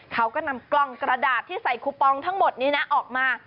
เขาก็นำกล้องกระดาษที่ใส่คูปองทั้งหมดนี้นะออกมา